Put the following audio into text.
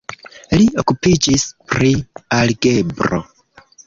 Li okupiĝis pri algebro.